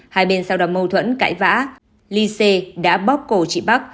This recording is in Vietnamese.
hai bên sau đó mâu thuẫn cãi vã lee se đã bóp cổ chị park